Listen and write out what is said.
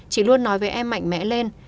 chị luôn nói với em mạnh mẽ lên